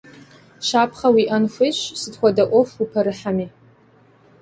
Щапхъэ уиIэн хуейщ сыт хуэдэ Iуэху упэрыхьэми.